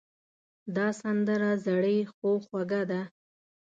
دا سندره زړې خو خوږه ده.